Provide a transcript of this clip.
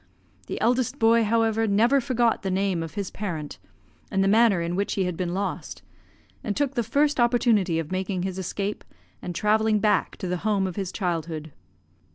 The eldest boy, however, never forgot the name of his parent, and the manner in which he had been lost, and took the first opportunity of making his escape, and travelling back to the home of his childhood.